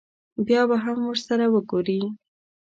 بیا به هم ورسره وګوري.